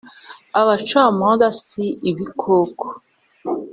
abacamanza si ibikoko